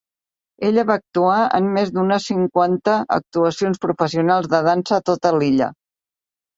Ella va actuar en més d'una cinquanta actuacions professionals de dansa a tota l'illa.